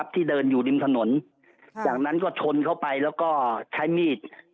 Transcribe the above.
ที่เดินอยู่ริมถนนจากนั้นก็ชนเข้าไปแล้วก็ใช้มีด